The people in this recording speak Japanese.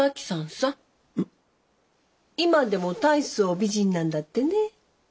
今でも大層美人なんだってね。